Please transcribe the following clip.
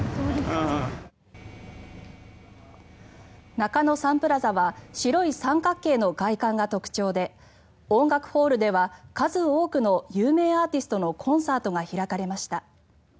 中野サンプラザは白い三角形の外観が特徴で音楽ホールでは数多くの有名アーティストのコンサートが開かれました。